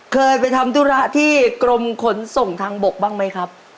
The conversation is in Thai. เคยไปทำธุระที่กรมขนส่งทางบกบ้างไหมครับ